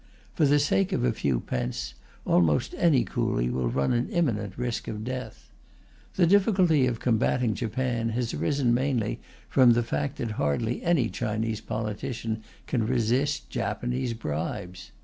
For the sake of a few pence, almost any coolie will run an imminent risk of death. The difficulty of combating Japan has arisen mainly from the fact that hardly any Chinese politician can resist Japanese bribes.